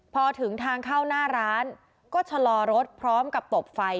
พอถึงทางเข้าหน้าร้านก็ชะลอรถพร้อมกับตบไฟ